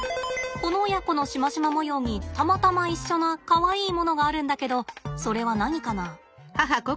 この親子のシマシマ模様にたまたま一緒なかわいいものがあるんだけどそれは何かな？